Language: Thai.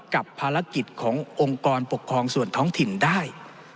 กับภารกิจขององค์กรปกครองส่วนท้องถิ่นได้